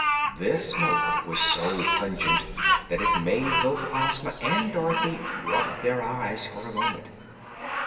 This smoke was so pungent that it made both Ozma and Dorothy rub their eyes for a moment.